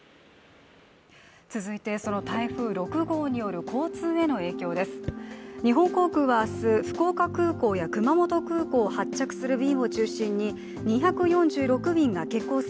続いて、その台風６号による交通への影響です。